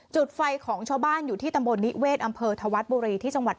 จุดไฟของชาวบ้านอยู่ที่ตำบลนิเวศอำเภอธวัฒน์บุรีที่จังหวัด